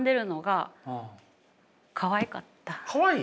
かわいい？